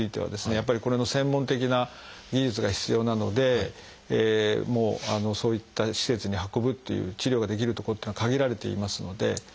やっぱりこれの専門的な技術が必要なのでもうそういった施設に運ぶっていう治療ができるとこっていうのは限られていますので。